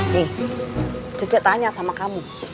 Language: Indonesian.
nih cecek tanya sama kamu